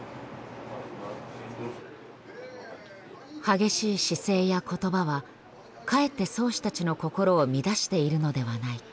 「激しい姿勢や言葉はかえって漕手たちの心を乱しているのではないか」。